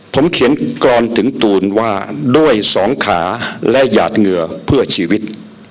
ผมเขียนกรอนถึงตูนว่าด้วยสองขาและหยาดเหงื่อเพื่อชีวิต